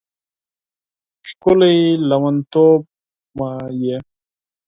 ښکلی لیونتوب مې یې